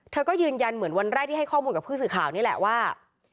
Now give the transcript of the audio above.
เธอก็ยืนยันเหมือนวันแรกที่ให้ข้อมูลกับผู้สื่อข่าวนี่แหละว่า